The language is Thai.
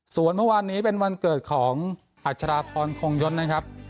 ส่วนเมื่อวานนี้เป็นวันเกิดของอัชราพรคงยศนะครับ